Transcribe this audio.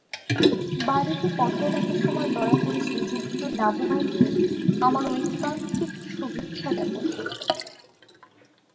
বাড়ীতে পত্র লেখার সময় দয়া করে শ্রীযুক্ত নাভুভাইকে আমার ঐকান্তিক শুভেচ্ছা জ্ঞাপন করবেন।